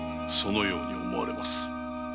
そのように思われます。